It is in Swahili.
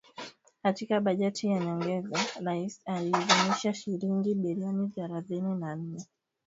Katika bajeti ya nyongeza Rais aliidhinisha shilingi bilioni thelathini na nne